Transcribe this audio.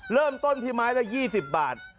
เริ่มต้นที่ไม้ละ๒๐บาท